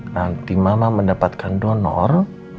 nanti mama mendapatkan donor